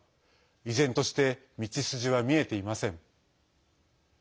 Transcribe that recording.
依然として道筋は見えていません。